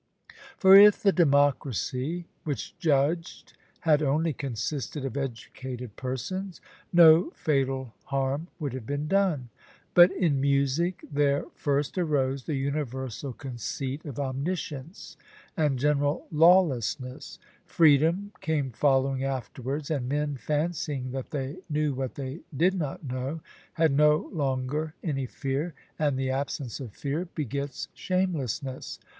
For if the democracy which judged had only consisted of educated persons, no fatal harm would have been done; but in music there first arose the universal conceit of omniscience and general lawlessness; freedom came following afterwards, and men, fancying that they knew what they did not know, had no longer any fear, and the absence of fear begets shamelessness.